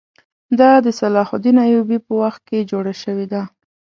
دا د صلاح الدین ایوبي په وخت کې جوړه شوې ده.